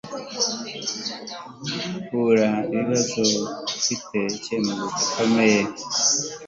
hura ibibazo ufite icyemezo gikomeye